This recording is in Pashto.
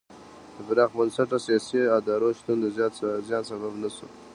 د پراخ بنسټه سیاسي ادارو شتون د زیان سبب نه شو.